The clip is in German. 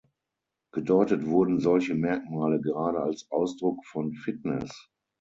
Gedeutet wurden solche Merkmale gerade "als Ausdruck von Fitness".